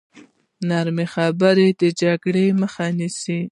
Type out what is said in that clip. نرمه خبره د جګړې مخه نیسي.